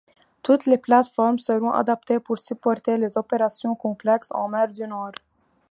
Toutes les plateformes seront adaptées pour supporter les opérations complexes en Mer du Nord.